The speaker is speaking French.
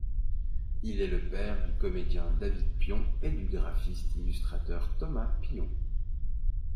Il est le père du comédien David Pion et du graphiste-illustrateur Thomas Pion.